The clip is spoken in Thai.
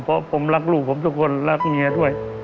เพราะผมรักลูกผมทุกคนรักเมียด้วย